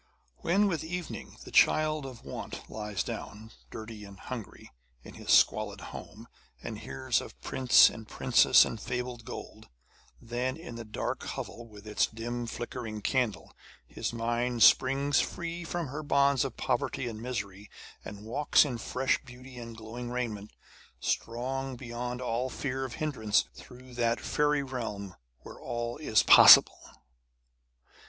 When with evening the child of want lies down, dirty and hungry, in his squalid home, and hears of prince and princess and fabled gold, then in the dark hovel with its dim flickering candle, his mind springs free from her bonds of poverty and misery, and walks in fresh beauty and glowing raiment, strong beyond all fear of hindrance, through that fairy realm where all is possible.